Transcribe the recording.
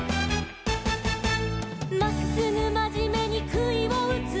「まっすぐまじめにくいをうつ」